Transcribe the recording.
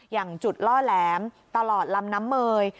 อย่างจุดล่อแหลมตลอดลำน้ำเมย